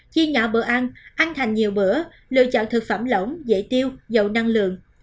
chi nhỏ bữa ăn ăn thành nhiều bữa lựa chọn thực phẩm lỏng dễ tiêu dầu năng lượng